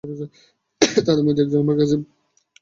তাদের মধ্যে একজন আমার মেয়েও হতে পারে।